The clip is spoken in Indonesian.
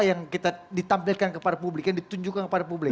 yang kita ditampilkan kepada publik yang ditunjukkan kepada publik